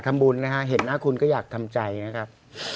แต่มีอวัฒนาคุณก็อยากทำใจนะครับ